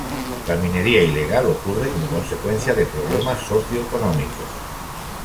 La minería ilegal ocurre como consecuencia de problemas socioeconómicos.